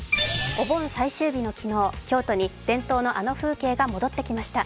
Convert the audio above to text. お盆最終日の昨日、京都に伝統のあの風景が戻ってきました。